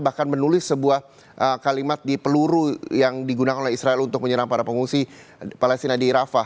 bahkan menulis sebuah kalimat di peluru yang digunakan oleh israel untuk menyerang para pengungsi palestina di rafah